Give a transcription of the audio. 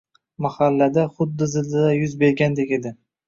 Mahallada xuddi zilzila yuz bergandek edi